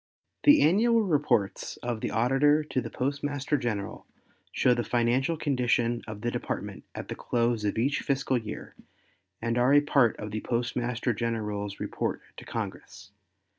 The annual reports of the Auditor to the Postmaster General show the financial condition of the Department at the close of each fiscal year and are a part of the Postmaster General's report to Congress.